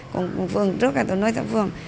còn phương trước tôi nói cho phương